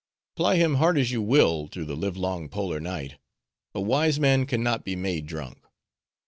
Ply him hard as you will, through the live long polar night, a wise man can not be made drunk.